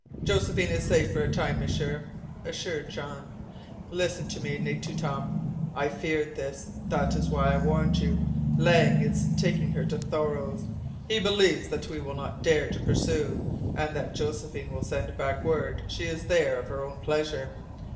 "Josephine is safe for a time, M'sieur," assured Jean. "Listen to me, Netootam! I feared this. That is why I warned you. Lang is taking her to Thoreau's. He believes that we will not dare to pursue, and that Josephine will send back word she is there of her own pleasure.